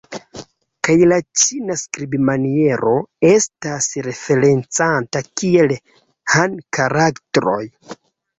Kaj la Ĉina skribmaniero estas referencata kiel "Han karaktroj".